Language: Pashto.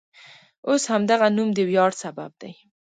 اوس همدغه نوم د ویاړ سبب دی.